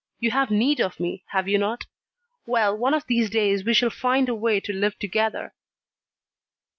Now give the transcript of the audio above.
You have need of me, have you not? Well, one of these days we shall find a way to live together."